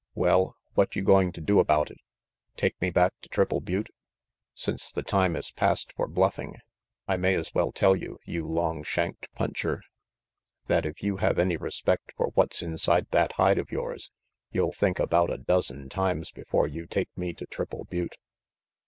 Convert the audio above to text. "Well, what you going to do about it? Take me back to Triple Butte? Since the time is past for bluffing, I may as well tell you, you long shanked puncher, that if you have any respect for what's inside that hide of yours, you'll think about a dozen times before you take me to Triple Butte."